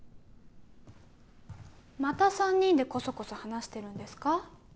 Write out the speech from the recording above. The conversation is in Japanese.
また３人でコソコソ話してるんですか？